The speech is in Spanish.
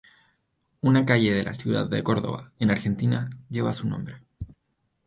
Una calle de la ciudad de Córdoba, en Argentina, lleva su nombre.